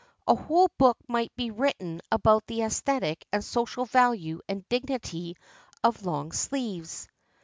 A whole book might be written about the aesthetic and social value and dignity of long sleeves.